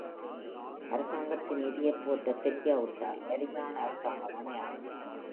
அரசாங்கத்தின் நிதியைப் போற்றத் தெரியவிட்டால் வலிமையான அரசாங்கம் அமையாது.